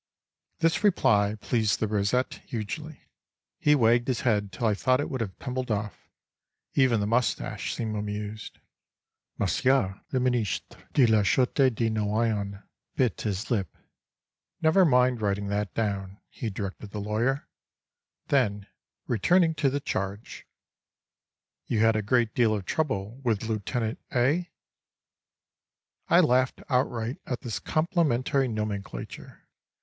This reply pleased the rosette hugely. He wagged his head till I thought it would have tumbled off. Even the mustache seemed amused. Monsieur le Ministre de la Sureté de Noyon bit his lip. "Never mind writing that down," he directed the lawyer. Then, returning to the charge: "You had a great deal of trouble with Lieutenant A.?" I laughed outright at this complimentary nomenclature.